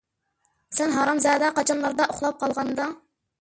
سەن ھارامزادە قاچانلاردا ئۇخلاپ قالغانىدىڭ؟